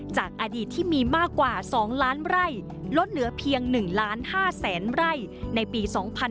จากอดีตที่มีมากกว่า๒ล้านไร่ลดเหลือเพียง๑๕๐๐๐ไร่ในปี๒๕๕๙